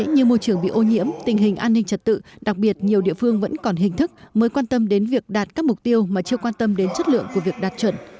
như môi trường bị ô nhiễm tình hình an ninh trật tự đặc biệt nhiều địa phương vẫn còn hình thức mới quan tâm đến việc đạt các mục tiêu mà chưa quan tâm đến chất lượng của việc đạt chuẩn